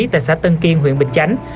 tại xã tân kiên huyện bình chánh